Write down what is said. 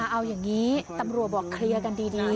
เอาอย่างนี้ตำรวจบอกเคลียร์กันดี